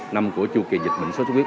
năm của chu kỳ dịch bệnh sốt sốt khuyết